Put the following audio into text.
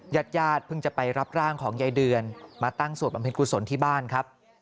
ญาติญาติเพิ่งจะไปรับร่างของยายเดือนมาตั้งสวดบำเพ็ญกุศลที่บ้านครับ